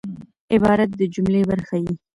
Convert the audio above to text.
عبارت د جملې برخه يي.